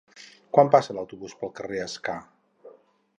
Quan passa l'autobús pel carrer Escar?